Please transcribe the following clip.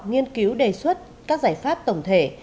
nghiên cứu đề xuất các giải pháp tổng thể